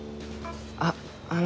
あっあの。